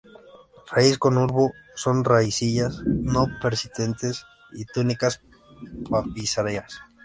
Raíz con bulbo con raicillas no persistentes y túnicas papiráceas.